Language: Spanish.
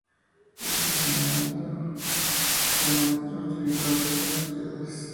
Este asentamiento realmente fortificado resistió las hostilidades entre franceses e ingleses.